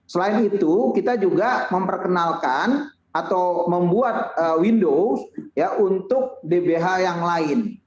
selain itu kita juga memperkenalkan atau membuat windows untuk dbh yang lain